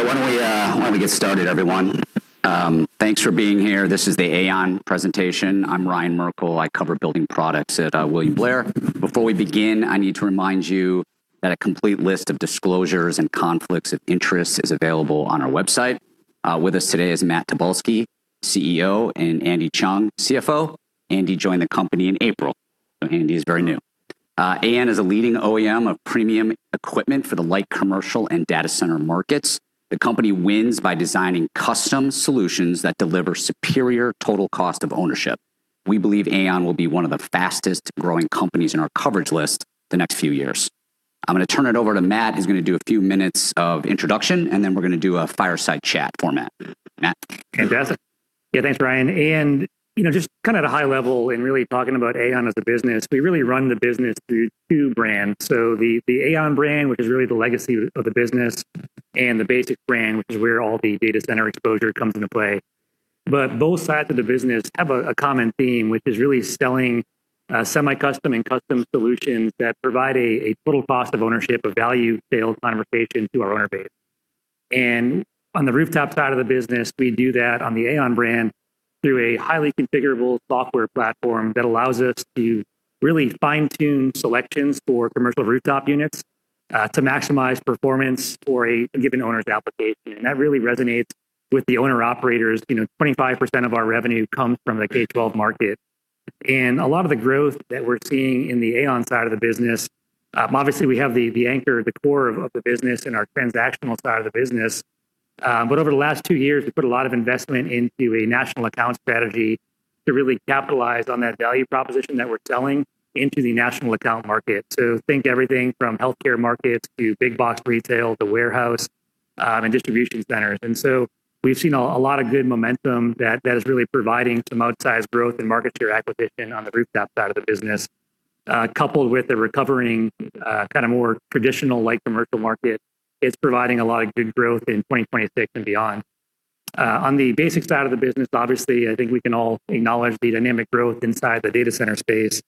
All right. Why don't we get started, everyone? Thanks for being here. This is the AAON presentation. I'm Ryan Merkel. I cover building products at William Blair. Before we begin, I need to remind you that a complete list of disclosures and conflicts of interest is available on our website. With us today is Matt Tobolski, CEO, and Andy Cheung, CFO. Andy joined the company in April. Andy is very new. AAON is a leading OEM of premium equipment for the light commercial and data center markets. The company wins by designing custom solutions that deliver superior total cost of ownership. We believe AAON will be one of the fastest-growing companies in our coverage list the next few years. I'm going to turn it over to Matt, who's going to do a few minutes of introduction. We're going to do a fireside chat format. Matt? Fantastic. Yeah. Thanks, Ryan. Just kind of at a high level in really talking about AAON as a business, we really run the business through two brands. The AAON brand, which is really the legacy of the business, and the BASX brand, which is where all the data center exposure comes into play. Both sides of the business have a common theme, which is really selling semi-custom and custom solutions that provide a total cost of ownership, a value sales conversation to our owner base. On the rooftop side of the business, we do that on the AAON brand through a highly configurable software platform that allows us to really fine-tune selections for commercial rooftop units, to maximize performance for a given owner's application. That really resonates with the owner operators. 25% of our revenue comes from the K-12 market. A lot of the growth that we're seeing in the AAON side of the business, obviously, we have the anchor, the core of the business and our transactional side of the business. Over the last two years, we put a lot of investment into a national account strategy to really capitalize on that value proposition that we're selling into the national account market. Think everything from healthcare markets to big box retail to warehouse and distribution centers. We've seen a lot of good momentum that is really providing some outsized growth and market share acquisition on the rooftop side of the business, coupled with a recovering, kind of more traditional light commercial market. It's providing a lot of good growth in 2026 and beyond. On the BASX side of the business, obviously, I think we can all acknowledge the dynamic growth inside the data center space.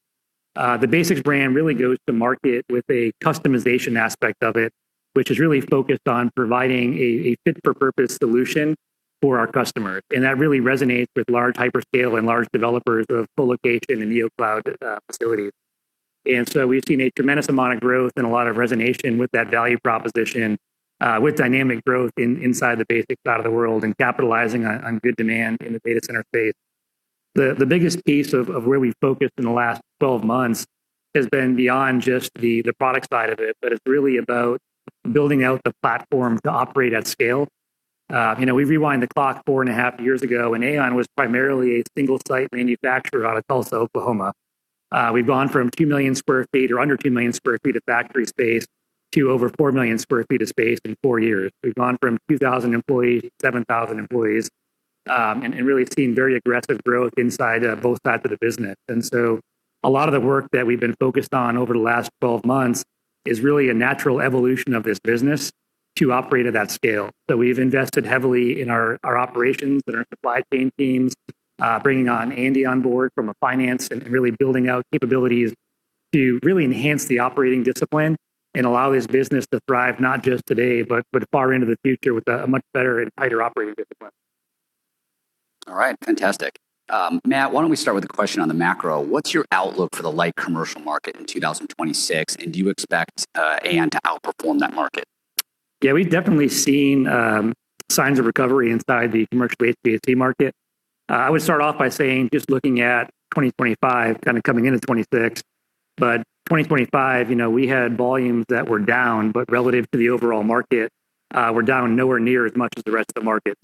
The BASX brand really goes to market with a customization aspect of it, which is really focused on providing a fit-for-purpose solution for our customers. That really resonates with large hyperscale and large developers of co-location and neocloud facilities. We've seen a tremendous amount of growth and a lot of resonation with that value proposition, with dynamic growth inside the BASX side of the world and capitalizing on good demand in the data center space. The biggest piece of where we've focused in the last 12 months has been beyond just the product side of it. It's really about building out the platform to operate at scale. We rewind the clock 4.5 years ago, when AAON was primarily a single-site manufacturer out of Tulsa, Oklahoma. We've gone from 2 million square feet or under 2 million square feet of factory space to over 4 million square feet of space in four years. We've gone from 2,000 employees to 7,000 employees, and really seen very aggressive growth inside both sides of the business. A lot of the work that we've been focused on over the last 12 months is really a natural evolution of this business to operate at that scale, that we've invested heavily in our operations and our supply chain teams, bringing on Andy on board from a finance and really building out capabilities to really enhance the operating discipline and allow this business to thrive, not just today, but far into the future with a much better and tighter operating discipline. All right. Fantastic. Matt, why don't we start with a question on the macro? What's your outlook for the light commercial market in 2026, and do you expect AAON to outperform that market? Yeah. We've definitely seen signs of recovery inside the commercial market. I would start off by saying, just looking at 2025, kind of coming into 2026, but 2025, we had volumes that were down, but relative to the overall market, were down nowhere near as much as the rest of the market.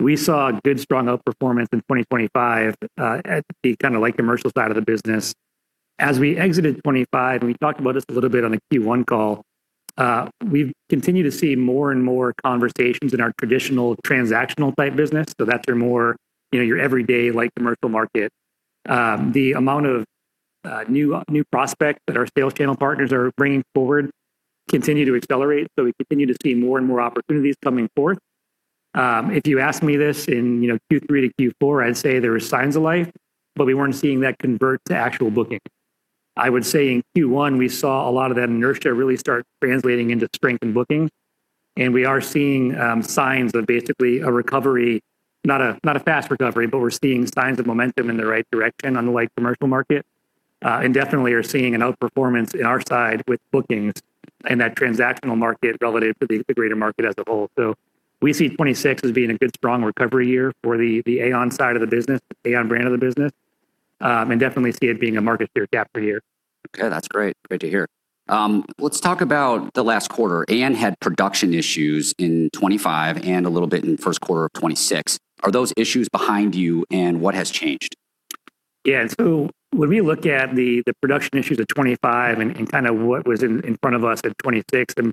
We saw good, strong outperformance in 2025, at the kind of light commercial side of the business. As we exited 2025, and we talked about this a little bit on the Q1 call, we've continued to see more and more conversations in our traditional transactional type business. That's your more, your everyday light commercial market. The amount of new prospects that our sales channel partners are bringing forward continue to accelerate, we continue to see more and more opportunities coming forth. If you asked me this in Q3 to Q4, I'd say there were signs of life, but we weren't seeing that convert to actual bookings. I would say in Q1, we saw a lot of that inertia really start translating into strength in bookings, and we are seeing signs of basically a recovery, not a fast recovery, but we're seeing signs of momentum in the right direction on the light commercial market. Definitely are seeing an outperformance in our side with bookings in that transactional market relative to the greater market as a whole. We see 2026 as being a good, strong recovery year for the AAON side of the business, the AAON brand of the business, and definitely see it being a market share gap for you. Okay, that's great. Great to hear. Let's talk about the last quarter. AAON had production issues in 2025 and a little bit in the first quarter of 2026. Are those issues behind you, and what has changed? When we look at the production issues of 2025 and kind of what was in front of us at 2026, and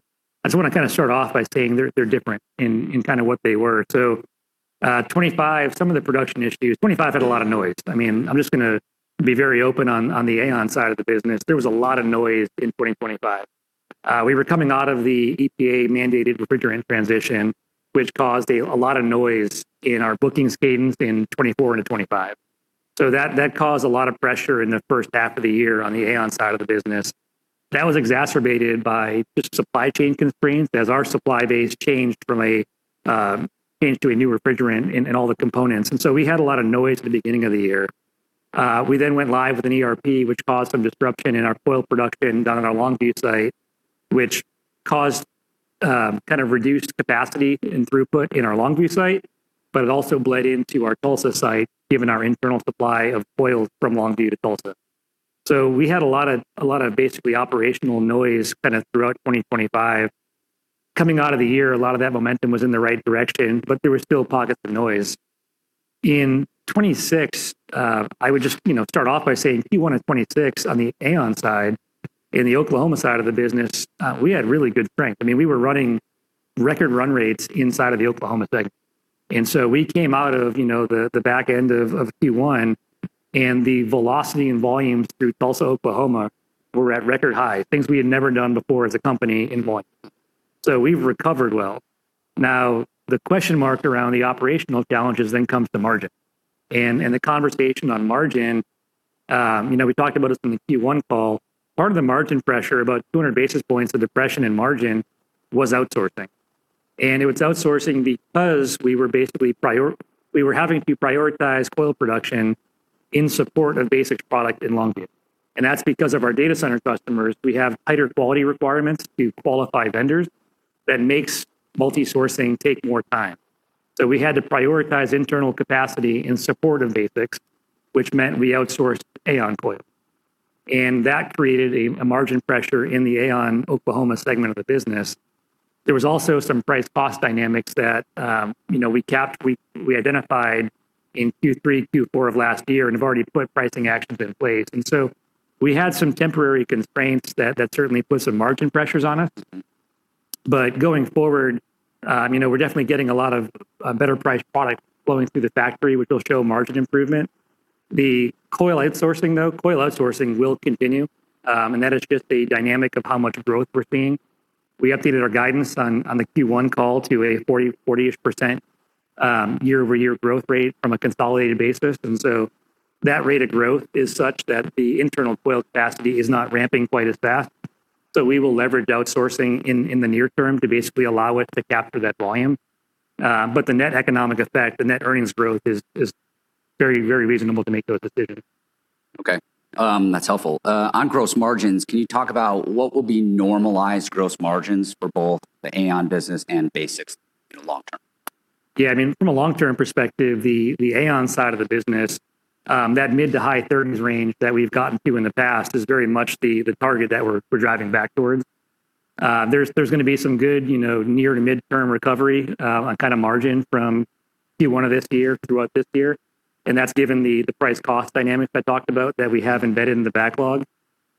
I just want to kind of start off by saying they're different in kind of what they were. 2025, some of the production issues, 2025 had a lot of noise. I mean, I'm just going to be very open on the AAON side of the business. There was a lot of noise in 2025. We were coming out of the EPA-mandated refrigerant transition, which caused a lot of noise in our bookings cadence in 2024 and 2025. That caused a lot of pressure in the first half of the year on the AAON side of the business. That was exacerbated by just supply chain constraints as our supply base changed to a new refrigerant and all the components. We had a lot of noise at the beginning of the year. We went live with an ERP, which caused some disruption in our coil production down in our Longview site, which caused kind of reduced capacity and throughput in our Longview site; it also bled into our Tulsa site, given our internal supply of coil from Longview to Tulsa. We had a lot of basically operational noise kind of throughout 2025. Coming out of the year, a lot of that momentum was in the right direction, there were still pockets of noise. In 2026, I would just start off by saying Q1 of 2026 on the AAON side, in the Oklahoma side of the business, we had really good strength. We were running record run rates inside of the Oklahoma segment. We came out of the back end of Q1, and the velocity and volume through Tulsa, Oklahoma, were at record high, things we had never done before as a company in volume. We've recovered well. Now, the question mark around the operational challenges comes to margin. The conversation on margin, we talked about this in the Q1 call, part of the margin pressure, about 200 basis points of depression in margin, was outsourcing. It was outsourcing because we were having to prioritize coil production in support of BASX product in Longview. That's because of our data center customers. We have tighter quality requirements to qualify vendors that makes multi-sourcing take more time. We had to prioritize internal capacity in support of BASX, which meant we outsourced AAON coil. That created a margin pressure in the AAON Oklahoma segment of the business. There was also some price-cost dynamics that we identified in Q3, Q4 of last year, and have already put pricing actions in place. We had some temporary constraints that certainly put some margin pressures on us. Going forward, we're definitely getting a lot of better-priced product flowing through the factory, which will show margin improvement. The coil outsourcing, though, will continue. That is just a dynamic of how much growth we're seeing. We updated our guidance on the Q1 call to a 40% year-over-year growth rate from a consolidated basis. That rate of growth is such that the internal coil capacity is not ramping quite as fast. We will leverage outsourcing in the near term to basically allow it to capture that volume. The net economic effect, the net earnings growth, is very reasonable to make those decisions. Okay. That's helpful. On gross margins, can you talk about what will be normalized gross margins for both the AAON business and BASX in the long term? From a long-term perspective, the AAON side of the business, that mid to high 30s range that we've gotten to in the past, is very much the target that we're driving back towards. There's going to be some good near to mid-term recovery on kind of margin from Q1 of this year throughout this year, and that's given the price cost dynamics I talked about that we have embedded in the backlog.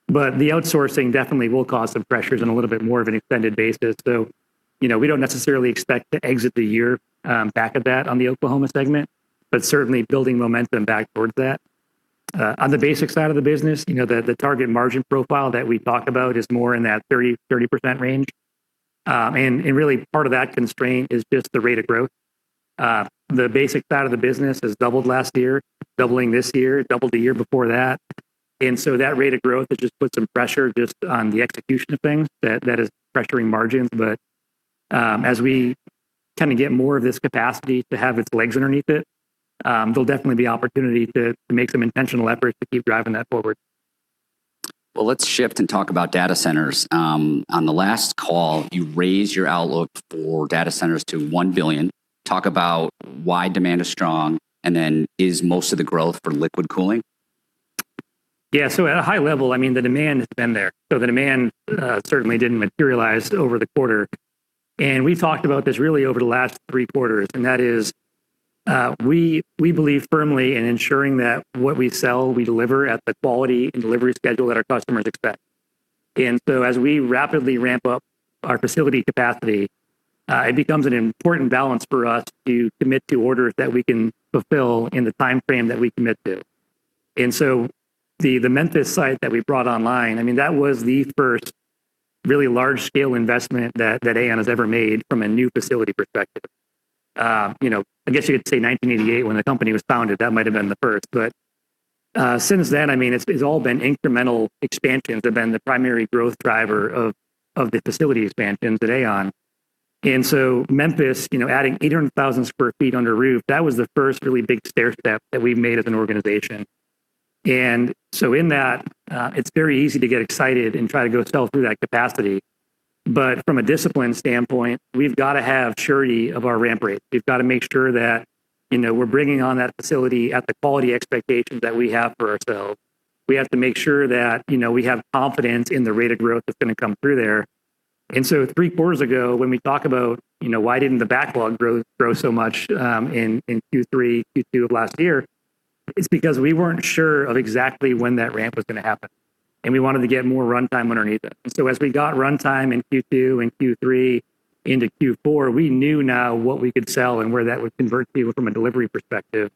The outsourcing definitely will cause some pressures on a little bit more of an extended basis. We don't necessarily expect to exit the year back at that on the Oklahoma segment, but certainly building momentum back towards that. On the BASX side of the business, the target margin profile that we talk about is more in that 30% range. Really, part of that constraint is just the rate of growth. The BASX side of the business has doubled last year, doubling this year, it doubled the year before that. That rate of growth has just put some pressure just on the execution of things that is pressuring margins. As we get more of this capacity to have its legs underneath it, there'll definitely be opportunity to make some intentional efforts to keep driving that forward. Well, let's shift and talk about data centers. On the last call, you raised your outlook for data centers to $1 billion. Talk about why demand is strong, and then is most of the growth for liquid cooling? Yeah. At a high level, the demand has been there. The demand certainly didn't materialize over the quarter. We've talked about this really over the last three quarters, and that is, we believe firmly in ensuring that what we sell, we deliver at the quality and delivery schedule that our customers expect. As we rapidly ramp up our facility capacity, it becomes an important balance for us to commit to orders that we can fulfill in the timeframe that we commit to. The Memphis site that we brought online, that was the first really large-scale investment that AAON has ever made from a new facility perspective. I guess you could say 1988, when the company was founded, that might have been the first. Since then, it's all been incremental expansions have been the primary growth driver of the facility expansions at AAON. Memphis, adding 800,000 square feet under roof, that was the first really big stair step that we've made as an organization. In that, it's very easy to get excited and try to go sell through that capacity. From a discipline standpoint, we've got to have surety of our ramp rate. We've got to make sure that we're bringing on that facility at the quality expectations that we have for ourselves. We have to make sure that we have confidence in the rate of growth that's going to come through there. Three quarters ago, when we talk about why didn't the backlog grow so much in Q3, Q2 of last year, it's because we weren't sure of exactly when that ramp was going to happen, and we wanted to get more runtime underneath it. As we got runtime in Q2 and Q3 into Q4, we knew now what we could sell and where that would convert to from a delivery perspective.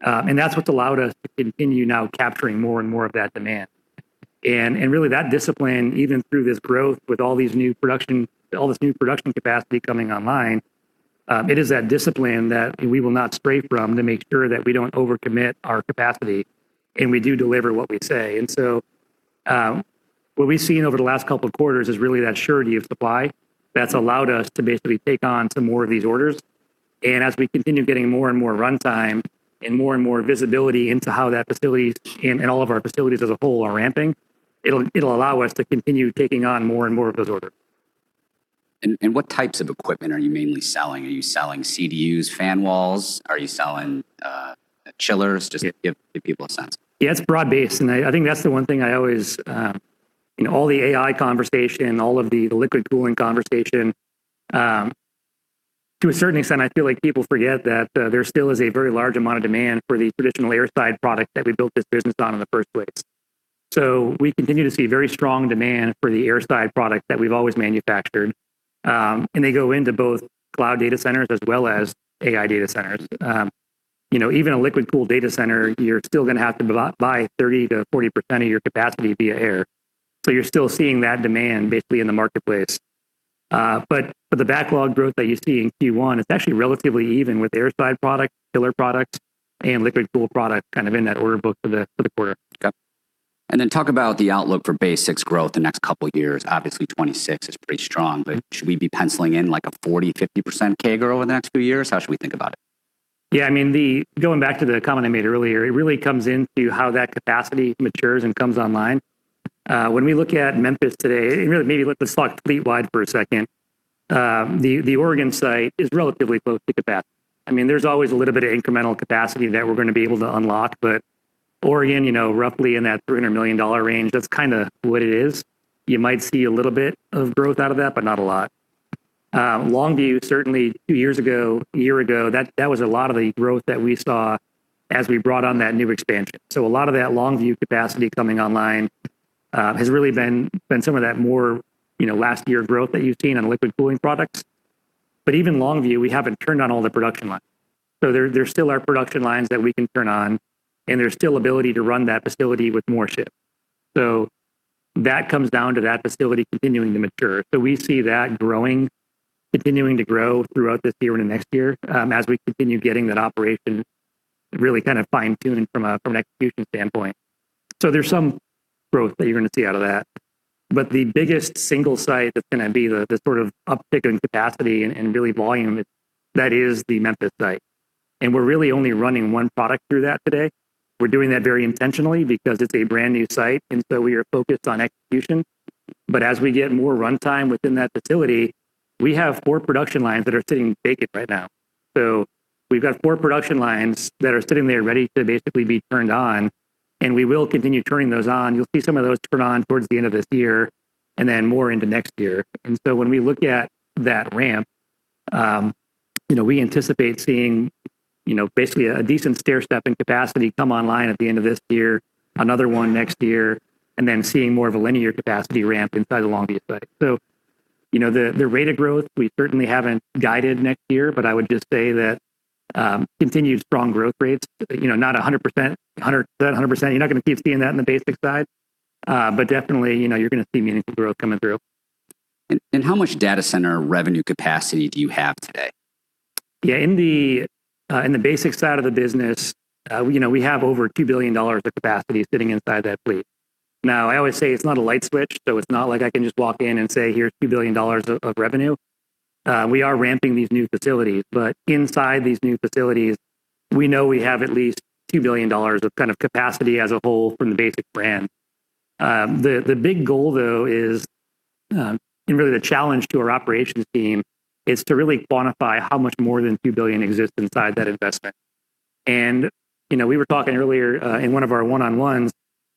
That's what's allowed us to continue now capturing more and more of that demand. Really, that discipline, even through this growth with all this new production capacity coming online, it is that discipline that we will not stray from to make sure that we don't overcommit our capacity, and we do deliver what we say. What we've seen over the last couple of quarters is really that surety of supply that's allowed us to basically take on some more of these orders. As we continue getting more and more runtime and more and more visibility into how that facility and all of our facilities as a whole are ramping, it'll allow us to continue taking on more and more of those orders. What types of equipment are you mainly selling? Are you selling CDUs, fan walls? Are you selling chillers? Just give people a sense. It's broad-based, and I think that's the one thing I always in all the AI conversation, all of the liquid cooling conversation, to a certain extent, I feel like people forget that there still is a very large amount of demand for the traditional airside product that we built this business on in the first place. We continue to see very strong demand for the airside product that we've always manufactured. They go into both cloud data centers as well as AI data centers. Even a liquid cool data center, you're still going to have to buy 30%-40% of your capacity via air. You're still seeing that demand basically in the marketplace. The backlog growth that you see in Q1, it's actually relatively even with airside product, chiller product, and liquid cool product, kind of in that order, both for the quarter. Okay. Talk about the outlook for BASX growth the next couple of years. Obviously, '26 is pretty strong, but should we be penciling in like a 40%, 50% CAGR over the next few years? How should we think about it? Yeah, going back to the comment I made earlier, it really comes into how that capacity matures and comes online. When we look at Memphis today, really, maybe let's talk fleet-wide for a second. The Oregon site is relatively close to capacity. There's always a little bit of incremental capacity that we're going to be able to unlock, but Oregon, roughly in that $300 million range, that's what it is. You might see a little bit of growth out of that, but not a lot. Longview, certainly two years ago, a year ago, that was a lot of the growth that we saw as we brought on that new expansion. A lot of that Longview capacity coming online has really been some of that more last year of growth that you've seen on liquid cooling products. Even Longview, we haven't turned on all the production lines. There still are production lines that we can turn on, and there's still ability to run that facility with more shifts. That comes down to that facility continuing to mature. We see that continuing to grow throughout this year into next year, as we continue getting that operation really fine-tuned from an execution standpoint. There's some growth that you're going to see out of that. The biggest single site that's going to be the sort of uptick in capacity and really volume, that is the Memphis site. We're really only running one product through that today. We're doing that very intentionally because it's a brand-new site. We are focused on execution. As we get more runtime within that facility, we have four production lines that are sitting vacant right now. We've got four production lines that are sitting there ready to basically be turned on, and we will continue turning those on. You'll see some of those turn on towards the end of this year, more into next year. When we look at that ramp, we anticipate seeing basically a decent stair stepping capacity come online at the end of this year, another one next year, and then seeing more of a linear capacity ramp inside the Longview site. The rate of growth, we certainly haven't guided next year, but I would just say that continued strong growth rates, not 100%. You're not going to keep seeing that in the BASX side. Definitely, you're going to see meaningful growth coming through. How much data center revenue capacity do you have today? Yeah, in the BASX side of the business, we have over $2 billion of capacity sitting inside that fleet. Now, I always say it's not a light switch, so it's not like I can just walk in and say, "Here's $2 billion of revenue." We are ramping these new facilities, but inside these new facilities, we know we have at least $2 billion of capacity as a whole from the BASX brand. The big goal, though, is and really the challenge to our operations team is to really quantify how much more than $2 billion exists inside that investment. We were talking earlier, in one of our one-on-ones,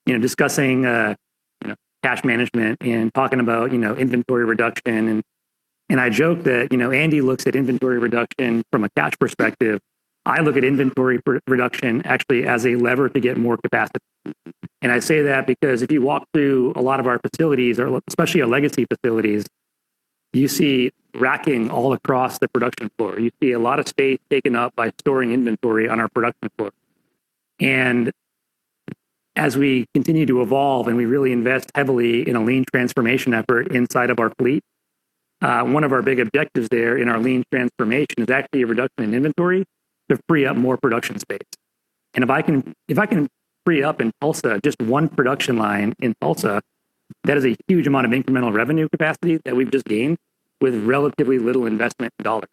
discussing cash management and talking about inventory reduction. I joke that Andy looks at inventory reduction from a cash perspective. I look at inventory reduction actually as a lever to get more capacity. I say that because if you walk through a lot of our facilities, or especially our legacy facilities, you see racking all across the production floor. You see a lot of space taken up by storing inventory on our production floor. As we continue to evolve and we really invest heavily in a lean transformation effort inside of our fleet, one of our big objectives there in our lean transformation is actually a reduction in inventory to free up more production space. If I can free up in Tulsa, just one production line in Tulsa, that is a huge amount of incremental revenue capacity that we've just gained with relatively little investment dollars.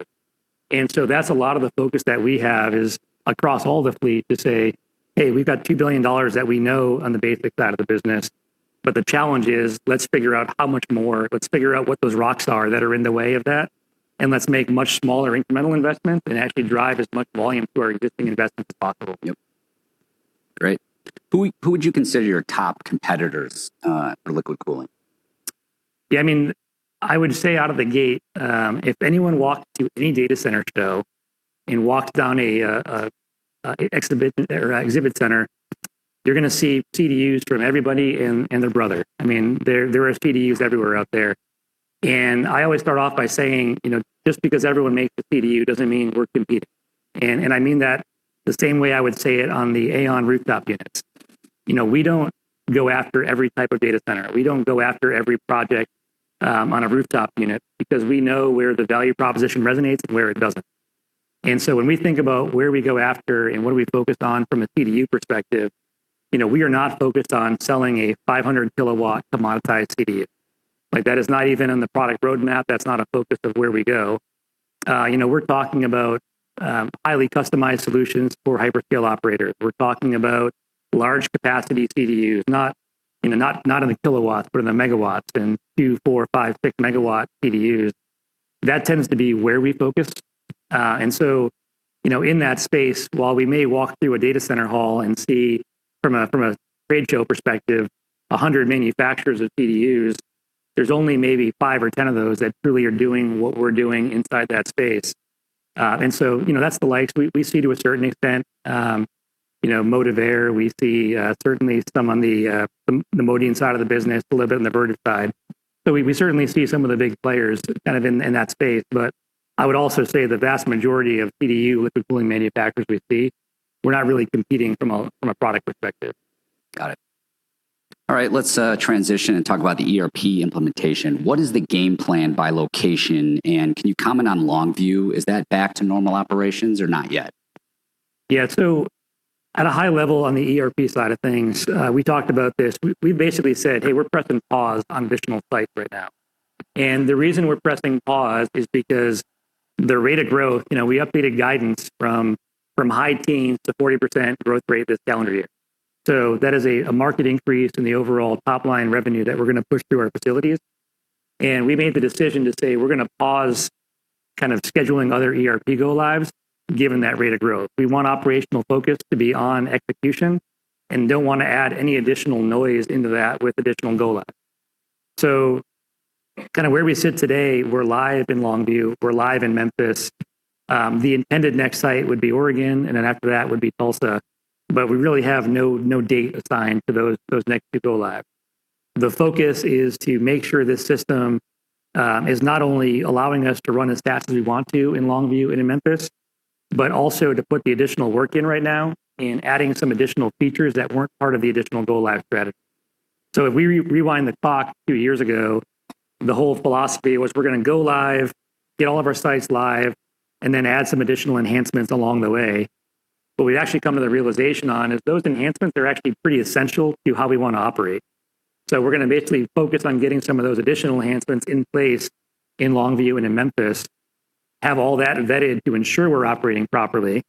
That's a lot of the focus that we have is across all the fleet to say, "Hey, we've got $2 billion that we know on the BASX side of the business." The challenge is, let's figure out how much more. Let's figure out what those rocks are that are in the way of that, and let's make much smaller incremental investments and actually drive as much volume to our existing investments as possible. Yep. Great. Who would you consider your top competitors for liquid cooling? Yeah, I would say out of the gate, if anyone walked through any data center show and walked down an exhibit center, you're going to see CDUs from everybody and their brother. There are CDUs everywhere out there. I always start off by saying, just because everyone makes a CDU doesn't mean we're competing. I mean that the same way I would say it on the AAON rooftop units. We don't go after every type of data center. We don't go after every project on a rooftop unit because we know where the value proposition resonates and where it doesn't. When we think about where we go after and what are we focused on from a CDU perspective, we are not focused on selling a 500 kW commoditized CDU. That is not even in the product roadmap. That's not a focus of where we go. We're talking about highly customized solutions for hyperscale operators. We're talking about large capacity CDUs, not in the kilowatts, but in the megawatts, in 2, 4, 5, 6 MW CDUs. That tends to be where we focus. In that space, while we may walk through a data center hall and see from a trade show perspective, 100 manufacturers of CDUs, there's only maybe 5 or 10 of those that truly are doing what we're doing inside that space. That's the likes we see to a certain extent, Motivair, we see certainly some on the Modine side of the business, a little bit on the Vertiv side. We certainly see some of the big players kind of in that space. I would also say the vast majority of CDU liquid cooling manufacturers we see, we're not really competing from a product perspective. Got it. All right, let's transition and talk about the ERP implementation. What is the game plan by location, and can you comment on Longview? Is that back to normal operations or not yet? At a high level on the ERP side of things, we talked about this. We basically said, "Hey, we're pressing pause on additional sites right now." The reason we're pressing pause is because the rate of growth, we updated guidance from high teens to 40% growth rate this calendar year. That is a market increase in the overall top-line revenue that we're going to push through our facilities. We made the decision to say, we're going to pause kind of scheduling other ERP go lives given that rate of growth. We want operational focus to be on execution, and don't want to add any additional noise into that with additional go-lives. Where we sit today, we're live in Longview, we're live in Memphis. The intended next site would be Oregon, and then after that would be Tulsa, but we really have no date assigned to those next two go-live. The focus is to make sure this system is not only allowing us to run as fast as we want to in Longview and in Memphis, but also to put the additional work in right now, in adding some additional features that weren't part of the additional go-live strategy. If we rewind the clock a few years ago, the whole philosophy was we're going to go live, get all of our sites live, and then add some additional enhancements along the way. What we've actually come to the realization on is those enhancements are actually pretty essential to how we want to operate. We're going to basically focus on getting some of those additional enhancements in place in Longview and in Memphis, have all that vetted to ensure we're operating properly,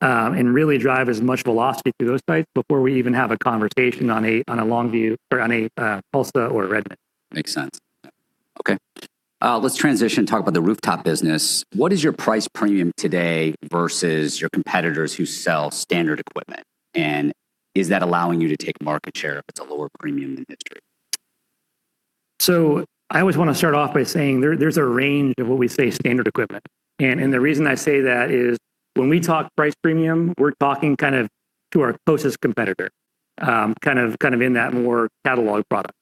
and really drive as much velocity through those sites before we even have a conversation on a Longview or on a Tulsa or a Redmond. Makes sense. Okay. Let's transition and talk about the rooftop business. What is your price premium today versus your competitors who sell standard equipment? Is that allowing you to take market share if it's a lower premium in the industry? I always want to start off by saying there's a range of what we say standard equipment. The reason I say that is when we talk price premium, we're talking to our closest competitor, kind of in that more catalog product.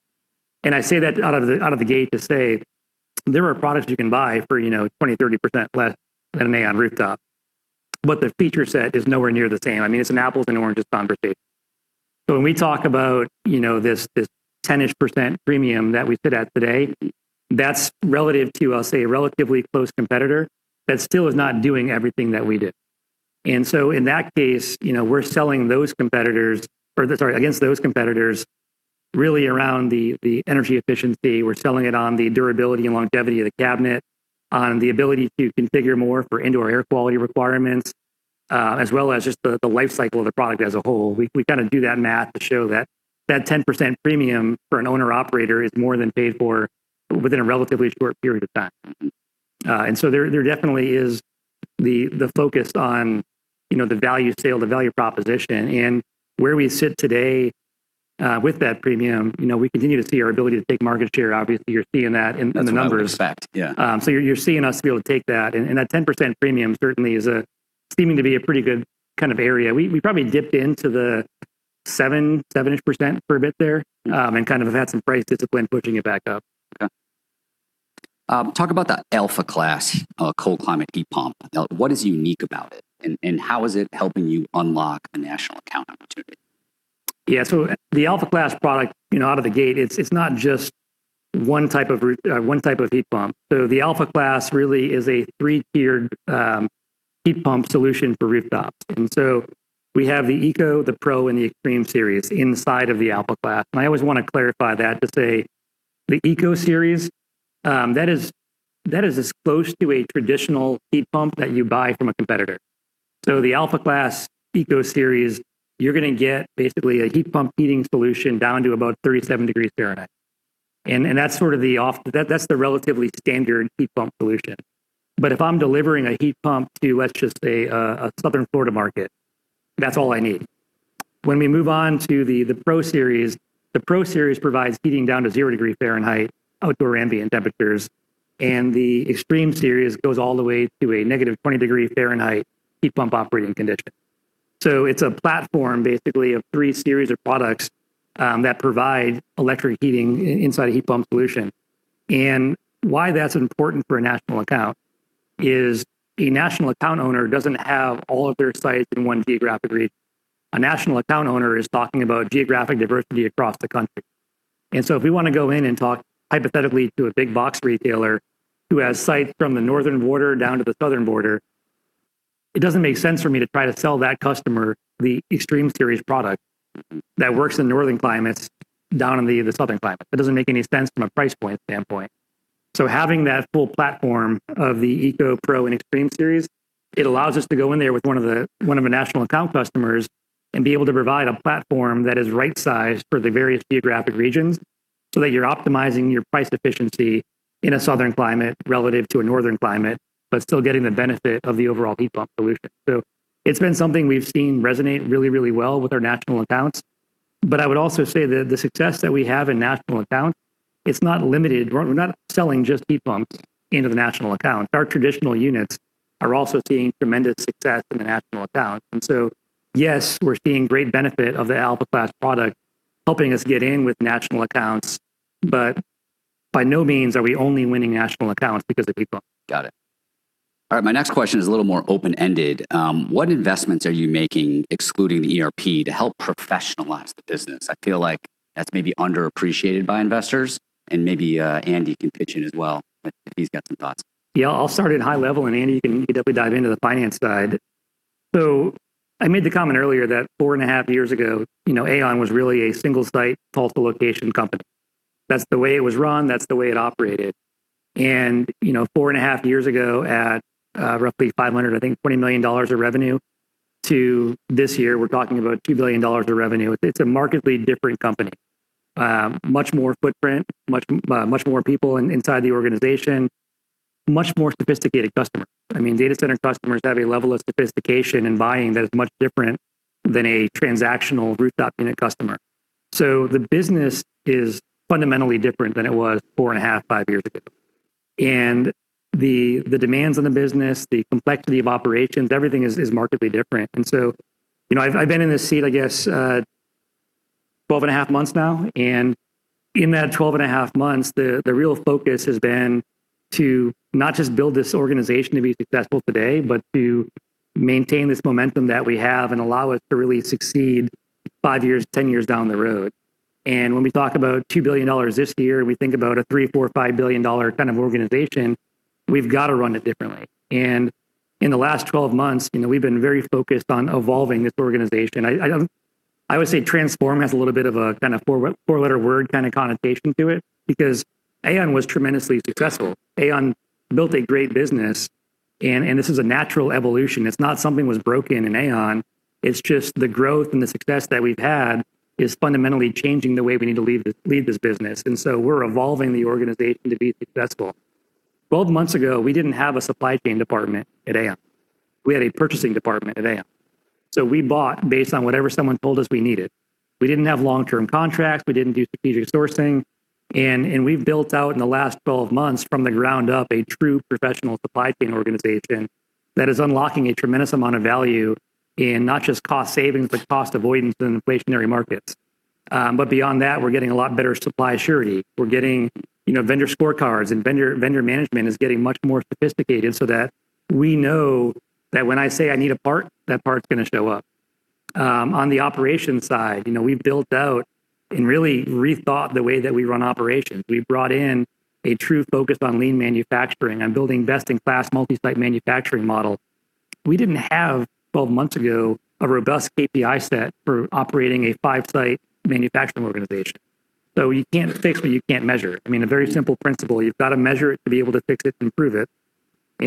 I say that out of the gate to say there are products you can buy for 20%, 30% less than an AAON rooftop, but the feature set is nowhere near the same. I mean, it's an apples-and-oranges conversation. When we talk about this 10-ish% premium that we sit at today, that's relative to, I'll say, a relatively close competitor that still is not doing everything that we do. In that case, we're selling those competitors, or sorry, against those competitors, really around the energy efficiency. We're selling it on the durability and longevity of the cabinet, on the ability to configure more for indoor air quality requirements, as well as just the life cycle of the product as a whole. We kind of do that math to show that that 10% premium for an owner/operator is more than paid for within a relatively short period of time. There definitely is the focus on the value sale, the value proposition, and where we sit today, with that premium, we continue to see our ability to take market share. Obviously, you're seeing that in the numbers. That's what I would expect, yeah. You're seeing us be able to take that, and that 10% premium certainly is seeming to be a pretty good kind of area. We probably dipped into the 7% for a bit there, and kind of have had some price discipline pushing it back up. Okay. Talk about that Alpha Class cold climate heat pump. What is unique about it, and how is it helping you unlock a national account opportunity? The Alpha Class product, out of the gate, it's not just one type of heat pump. The Alpha Class really is a 3-tiered heat pump solution for rooftops. We have the ECO, the PRO, and the EXTREME SERIES inside of the Alpha Class. I always want to clarify that to say the ECO SERIES, that is as close to a traditional heat pump that you buy from a competitor. The Alpha Class ECO SERIES, you're going to get basically a heat pump heating solution down to about 37 degrees Fahrenheit. That's the relatively standard heat pump solution. If I'm delivering a heat pump to, let's just say, a southern Florida market, that's all I need. When we move on to the PRO SERIES, the PRO SERIES provides heating down to zero degrees Fahrenheit outdoor ambient temperatures, and the EXTREME SERIES goes all the way to a -20 degrees Fahrenheit heat pump operating condition. It's a platform, basically, of three series of products that provide electric heating inside a heat pump solution. Why that's important for a national account is a national account owner doesn't have all of their sites in one geographic region. A national account owner is talking about geographic diversity across the country. If we want to go in and talk hypothetically to a big box retailer who has sites from the northern border down to the southern border, it doesn't make sense for me to try to sell that customer the EXTREME SERIES product that works in northern climates down in the southern climate. It doesn't make any sense from a price point standpoint. Having that full platform of the ECO, PRO and EXTREME SERIES, it allows us to go in there with one of the national account customers and be able to provide a platform that is right-sized for the various geographic regions, that you're optimizing your price efficiency in a southern climate relative to a northern climate, but still getting the benefit of the overall heat pump solution. It's been something we've seen resonate really well with our national accounts. I would also say that the success that we have in national accounts, it's not limited. We're not selling just heat pumps into the national accounts. Our traditional units are also seeing tremendous success in the national accounts. Yes, we're seeing great benefit of the Alpha Class product helping us get in with national accounts, but by no means are we only winning national accounts because of heat pumps. Got it. All right. My next question is a little more open-ended. What investments are you making, excluding the ERP, to help professionalize the business? I feel like that's maybe underappreciated by investors. Maybe Andy can pitch in as well, if he's got some thoughts. I'll start at a high level. Andy, you can deeply dive into the finance side. I made the comment earlier that 4.5 years ago, AAON was really a single-site, multi-location company. That's the way it was run, that's the way it operated. 4.5 years ago, at roughly $500, I think, $20 million of revenue, to this year, we're talking about $2 billion of revenue. It's a markedly different company. Much more footprint, much more people inside the organization, much more sophisticated customer. Data center customers have a level of sophistication in buying that is much different than a transactional rooftop unit customer. The business is fundamentally different than it was 4.5, five years ago. The demands on the business, the complexity of operations, everything is markedly different. I've been in this seat, I guess, 12.5 months now, and in that 12.5 months, the real focus has been to not just build this organization to be successful today, but to maintain this momentum that we have and allow us to really succeed five years, 10 years down the road. When we talk about $2 billion this year, and we think about a $3 billion, $4 billion, $5 billion kind of organization, we've got to run it differently. In the last 12 months, we've been very focused on evolving this organization. I would say transform has a little bit of a kind of four-letter word kind of connotation to it, because AAON was tremendously successful. AAON built a great business, and this is a natural evolution. It's not something was broken in AAON, it's just the growth and the success that we've had is fundamentally changing the way we need to lead this business. We're evolving the organization to be successful. 12 months ago, we didn't have a supply chain department at AAON. We had a purchasing department at AAON. We bought based on whatever someone told us we needed. We didn't have long-term contracts. We didn't do strategic sourcing. We've built out in the last 12 months from the ground up, a true professional supply chain organization that is unlocking a tremendous amount of value in not just cost savings, but cost avoidance in inflationary markets. Beyond that, we're getting a lot better supply surety. We're getting vendor scorecards, and vendor management is getting much more sophisticated so that we know that when I say I need a part, that part's going to show up. On the operations side, we've built out and really rethought the way that we run operations. We've brought in a true focus on lean manufacturing and building best-in-class multi-site manufacturing model. We didn't have, 12 months ago, a robust KPI set for operating a 5-site manufacturing organization. You can't fix what you can't measure. I mean, a very simple principle. You've got to measure it to be able to fix it and improve it.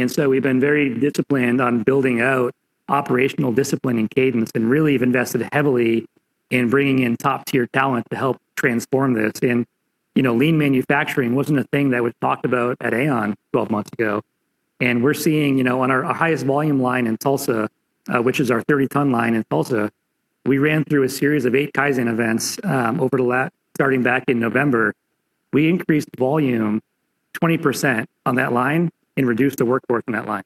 We've been very disciplined on building out operational discipline and cadence, and really have invested heavily in bringing in top-tier talent to help transform this. Lean manufacturing wasn't a thing that was talked about at AAON 12 months ago. We're seeing on our highest volume line in Tulsa, which is our 30-ton line in Tulsa, we ran through a series of eight Kaizen events over the last, starting back in November. We increased volume 20% on that line and reduced the work on that line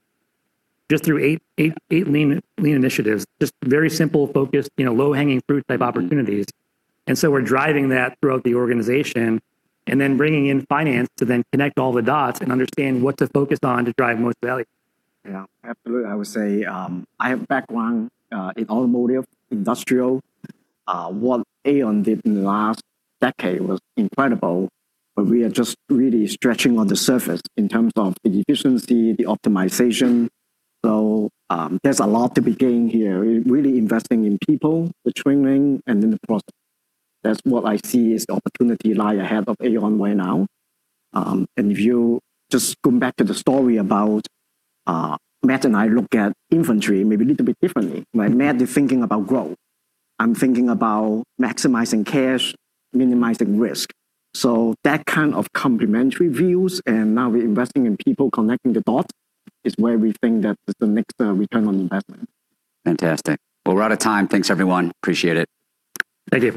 just through eight lean initiatives. Just very simple, focused, low-hanging fruit type opportunities. We're driving that throughout the organization and then bringing in finance to then connect all the dots and understand what to focus on to drive the most value. Yeah, absolutely. I would say, I have a background in automotive, industrial. What AAON did in the last decade was incredible, but we are just really scratching on the surface in terms of the efficiency, the optimization. There's a lot to be gained here. Really investing in people, the training, and then the process. That's what I see is the opportunity lie ahead of AAON right now. If you just go back to the story about Matt and I look at inventory maybe a little bit differently, right? Matt is thinking about growth. I'm thinking about maximizing cash, minimizing risk. That kind of complementary views, and now we're investing in people connecting the dots, is where we think that is the next return on investment. Fantastic. Well, we're out of time. Thanks, everyone. Appreciate it. Thank you.